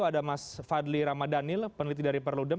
ada mas fadli ramadhanil peneliti dari perludem